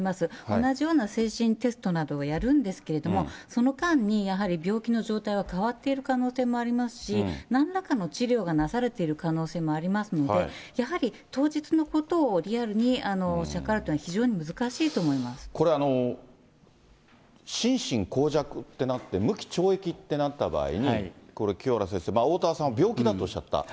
同じような精神テストなどをやるんですけれども、その間にやはり病気の状態は変わっている可能性もありますし、なんらかの治療がなされている可能性もありますので、やはり当日のことをリアルに推し量るというのは非常に難しいと思これ、心神耗弱ってなって、無期懲役ってなった場合に、これ、清原先生、おおたわさんは病気だとおっしゃった。